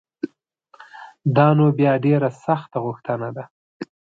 دا نو بیا ډېره سخته غوښتنه ده